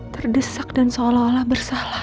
terdesak dan seolah olah bersalah